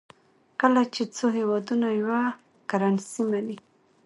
کله چې څو هېوادونه یوه کرنسي مني.